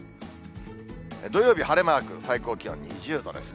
土曜日晴れマーク、最高気温２０度ですね。